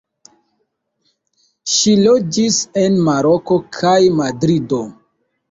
Ŝi loĝis en Maroko kaj Madrido.